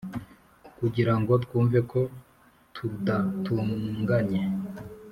kugirango twumve ko tudatunganye,